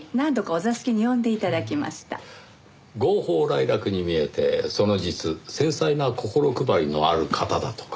豪放磊落に見えてその実繊細な心配りのある方だとか。